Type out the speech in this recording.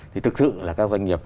thì thực sự là các doanh nghiệp